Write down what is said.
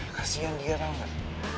kasian dia tau gak